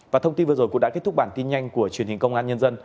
và thông tin vừa rồi cũng đã kết thúc bản tin nhanh của truyền hình công an nhân dân